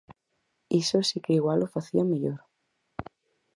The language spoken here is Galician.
Iso si que igual o facía mellor.